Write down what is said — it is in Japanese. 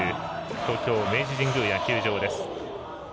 東京明治神宮野球場です。